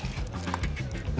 何？